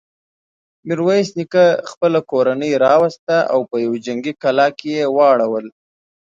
ميرويس نيکه خپله کورنۍ راوسته او په يوه جنګي کلا کې يې واړول.